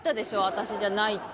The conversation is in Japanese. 私じゃないって。